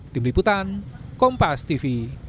tim liputan kompas tv